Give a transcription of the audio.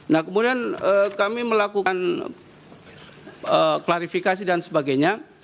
nah kemudian kami melakukan klarifikasi dan sebagainya